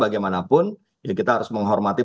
bagaimanapun ya kita harus menghormati